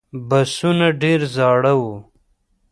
بسونه ډېر زاړه و.